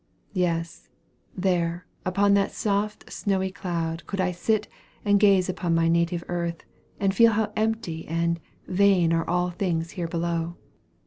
Yes, there, upon that soft snowy cloud could I sit, and gaze upon my native earth, and feel how empty and "vain are all things here below."